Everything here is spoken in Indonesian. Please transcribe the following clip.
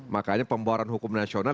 makanya pembawaan hukum nasional